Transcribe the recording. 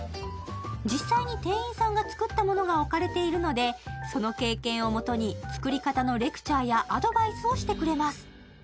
実際に店員さんが作ったものが置かれているのでその経験をもとに作り方のレクチャーやアドバイスをしてくれます